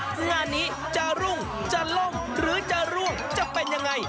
งานนี้จะรุ่งจะล่มหรือจะร่วงจะเป็นยังไง